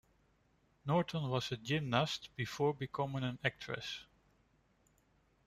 Norton was a gymnast before becoming an actress.